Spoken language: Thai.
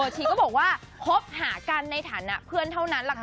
ชีก็บอกว่าคบหากันในฐานะเพื่อนเท่านั้นแหละค่ะ